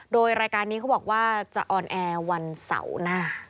โดยรายการนี้เขาบอกว่าจะออนแอร์วันเสาร์หน้า